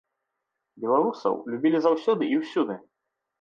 Беларусаў любілі заўсёды і ўсюды.